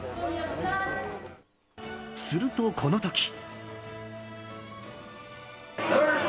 すると、この時。